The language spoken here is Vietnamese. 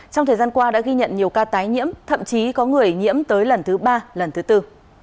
trong thời gian qua đã ghi nhận nhiều ca tái nhiễm thậm chí có người nhiễm tới lần thứ ba lần thứ tư